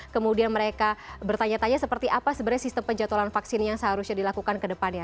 kemudian mereka bertanya tanya seperti apa sebenarnya sistem penjatuhan vaksin yang seharusnya dilakukan ke depannya